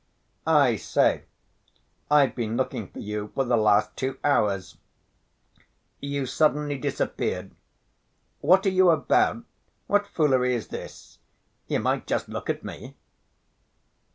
"I say, I've been looking for you for the last two hours. You suddenly disappeared. What are you about? What foolery is this? You might just look at me..."